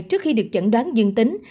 trước khi được chẩn đoán dương tính